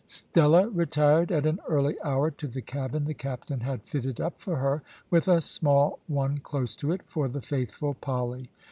Stella retired at an early hour to the cabin the captain had fitted up for her, with a small one close to it for the faithful Polly.